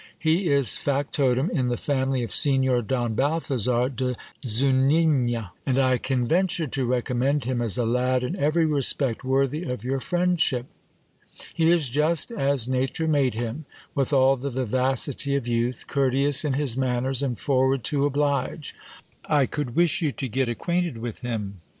He is factotum in the family of Signor Don Balthazar de Zunigna, and I can venture to recommend him as a lad in every respect worthy of your friendship. He is just as nature made him, with all the vivacity of youth, courteous in his manners, and forward to oblige ; I could wish you to get ac quainted with him.